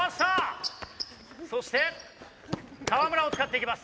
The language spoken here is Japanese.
そして河村を使っていきます。